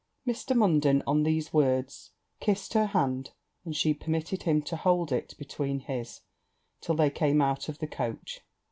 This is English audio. Mr. Munden, on these words, kissed her hand; and she permitted him to hold it between his till they came out of the coach.